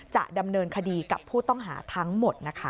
จะดำเนินคดีกับผู้ต้องหาทั้งหมดนะคะ